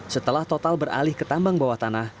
setelah total beralih ke tambang bawah tanah